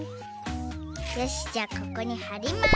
よしじゃあここにはります。